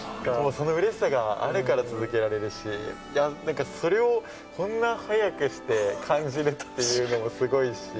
そのうれしさがあるから、続けられるし、なんかそれを、そんな早くして感じるというのもすごいし。